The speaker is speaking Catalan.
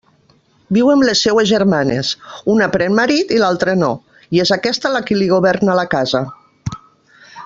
Viu amb les seues germanes, una pren marit i l'altra no; i és aquesta la qui li governa la casa.